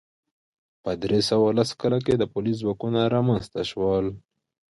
په درې سوه لس کال کې پولیس ځواکونه رامنځته شول